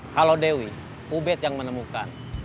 kalau dewi ubed yang menemukan